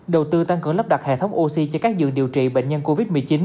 đầu tư tăng cường lắp đặt hệ thống oxy cho các giường điều trị bệnh nhân covid một mươi chín